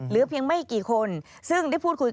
เหลือเพียงไม่กี่คน